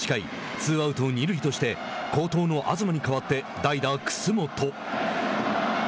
ツーアウト、二塁として好投の東に代わって代打楠本。